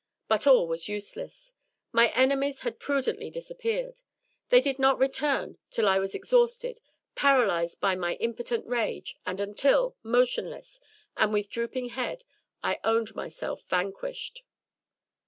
But all was useless. My enemies had prudently disappeared; they did not return till I was ex hausted, paralyzed by my impotent rage, and until, motionless and with drooping head, I owned myself vanquished!